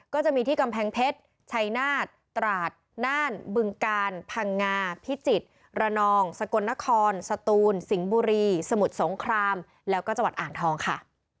ก็จะมีที่กำแพงเพชรชัยนาฏตราดน่านบึงกาลพังงาพิจิตรระนองสกลนครสตูนสิงห์บุรีสมุทรสงครามแล้วก็จังหวัดอ่างทองค่ะ